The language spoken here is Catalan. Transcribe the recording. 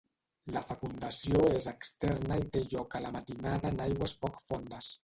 La fecundació és externa i té lloc a la matinada en aigües poc fondes.